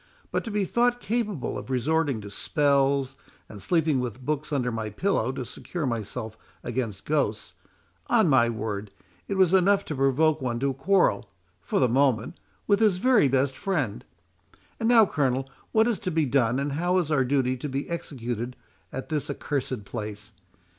But to be thought capable of resorting to spells, and sleeping with books under my pillow to secure myself against ghosts,—on my word, it was enough to provoke one to quarrel, for the moment, with his very best friend.—And now, Colonel, what is to be done, and how is our duty to be executed at this accursed place?